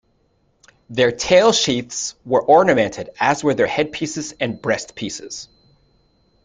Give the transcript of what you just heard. Their tail sheaths were ornamented, as were their headpieces and breastpieces.